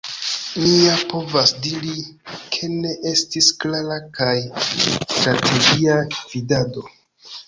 “Mi ja povas diri, ke ne estis klara kaj strategia gvidado.